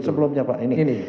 sebelumnya pak ini